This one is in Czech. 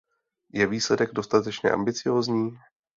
Je výsledek dostatečně ambiciózní?